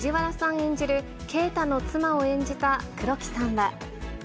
演じる圭太の妻を演じた黒木さんは。